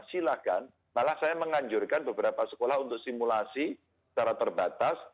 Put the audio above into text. silahkan malah saya menganjurkan beberapa sekolah untuk simulasi secara terbatas